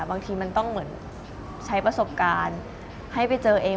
บางทีมันต้องเหมือนใช้ประสบการณ์ให้ไปเจอเอง